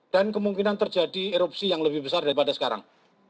dan kemungkinan terjadi erupsi yang lebih besar daripada sekarang